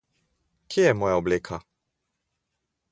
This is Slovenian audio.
Kje je moja obleka?